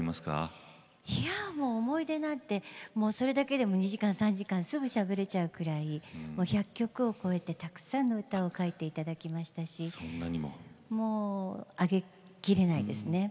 思い出だけで２時間３時間すぐしゃべれちゃうくらい１００曲を超えるたくさんの曲を書いていただきましたし挙げきれないですね。